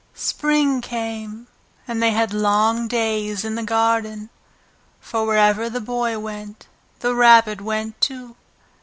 Spring came, and they had long days in the garden, for wherever the Boy went the Rabbit went too.